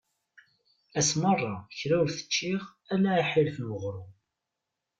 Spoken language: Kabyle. Ass merra kra ur t-ččiɣ ala aḥerrif n uɣrum.